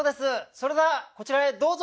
それではこちらへどうぞ！